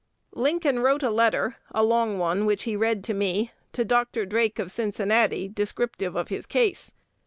Lincoln wrote a letter (a long one, which he read to me) to Dr. Drake, of Cincinnati, descriptive of his case.